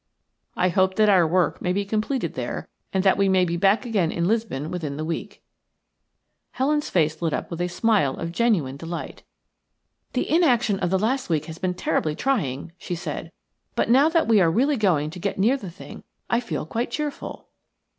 I hope that our work may be completed there, and that we may be back again in Lisbon within the week." Helen's face lit up with a smile of genuine delight. "The inaction of the last week has been terribly trying," she said. "But now that we are really going to get near the thing I feel quite cheerful."